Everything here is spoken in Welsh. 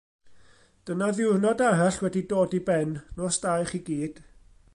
Dyna ddiwrnod arall wedi dod i ben, nos da i chi gyd.